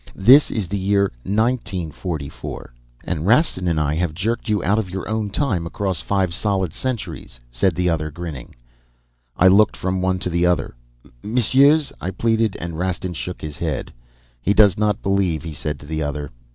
This is the year 1944.' "'And Rastin and I have jerked you out of your own time across five solid centuries,' said the other, grinning. "I looked from one to the other. 'Messieurs,' I pleaded, and Rastin shook his head. "'He does not believe,' he said to the other.